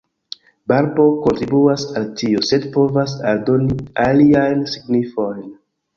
Barbo kontribuas al tio, sed povas aldoni aliajn signifojn.